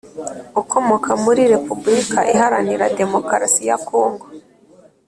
ukomoka muri repubulika iharanira demokarasi ya congo